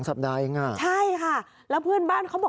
สัปดาห์เองอ่ะใช่ค่ะแล้วเพื่อนบ้านเขาบอก